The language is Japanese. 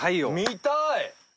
見たい！